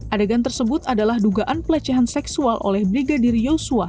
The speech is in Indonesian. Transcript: adegan tersebut adalah dugaan pelecehan seksual oleh brigadir yosua